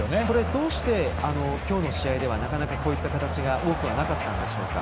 どうして今日の試合ではこういった形が多くなかったんでしょうか？